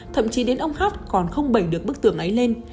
thậm chí đến ông khác còn không bẩy được bức tường ấy lên